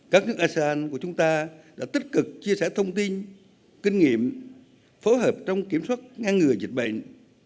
các nước asean của chúng ta đã tích cực chia sẻ thông tin kinh nghiệm phối hợp trong kiểm soát ngăn ngừa dịch bệnh